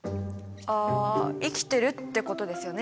あ生きてるってことですよね！